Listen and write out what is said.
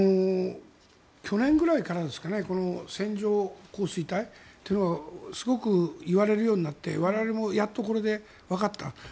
去年ぐらいからですか線状降水帯というのがすごくいわれるようになって我々もやっとこれでわかった。